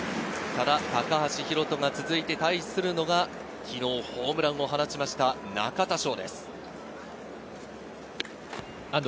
高橋宏斗が続いて対するのは昨日ホームランを放った中田翔です。